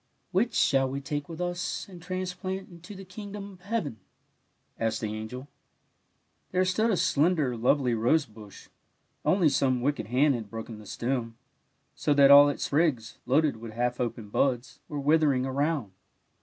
'' Which shall we take with us and trans plant into the kingdom of heaven? " asked the angel. There stood a slender, lovely rose bush, only some wicked hand had broken the stem, so that all its sprigs, loaded with half open buds, were withering around.